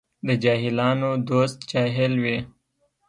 د جاهلانو دوست جاهل وي.